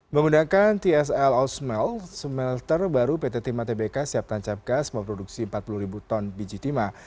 menggunakan tsl o smell smelter baru pt timah tbk siap tancap gas memproduksi empat puluh ribu ton biji timah